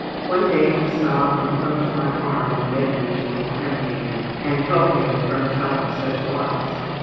One day he sobbed and clung to my arm and begged me to be a friend to him and help him from telling such lies.